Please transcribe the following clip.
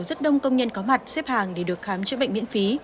rất đông công nhân có mặt xếp hàng để được khám chữa bệnh miễn phí